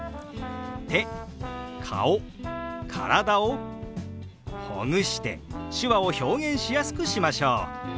手顔体をほぐして手話を表現しやすくしましょう。